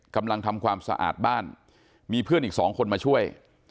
กำลังทำความสะอาดบ้านมีเพื่อนอีกสองคนมาช่วย